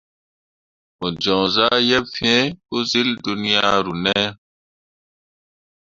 Mo joŋ zah yeb fee pǝ syil dunyaru ne ?